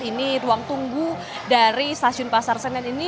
ini ruang tunggu dari stasiun pasar senen ini